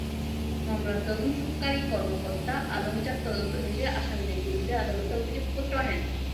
মামলার তদন্তকারী কর্মকর্তা আলম চাঁদ তদন্ত শেষে আসামিদের বিরুদ্ধে আদালতে অভিযোগপত্র দেন।